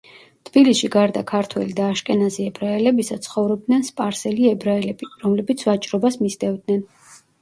თბილისში გარდა ქართველი და აშკენაზი ებრაელებისა ცხოვრობდნენ სპარსელი ებრაელები, რომლებიც ვაჭრობას მისდევდნენ.